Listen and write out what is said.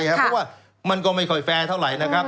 เพราะว่ามันก็ไม่ค่อยแฟร์เท่าไหร่นะครับ